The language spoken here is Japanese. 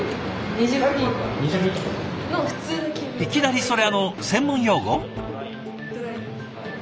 いきなりそれあの専門用語？